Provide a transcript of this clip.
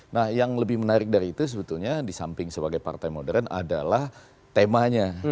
nah yang lebih menarik dari itu sebetulnya di samping sebagai partai modern adalah temanya